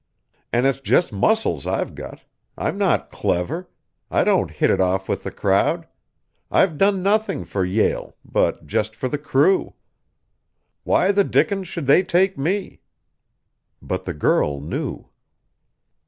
And it's just muscles I've got I'm not clever I don't hit it off with the crowd I've done nothing for Yale, but just for the crew. Why the dickens should they take me?" But the girl knew.